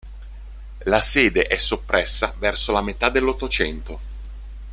La sede è soppressa verso la metà dell'Ottocento.